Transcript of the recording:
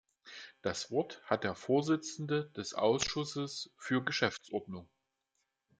Das Wort hat der Vorsitzende des Ausschusses für Geschäftsordnung.